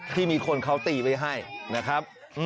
ที่มีคนเขาตีไว้ให้นะครับ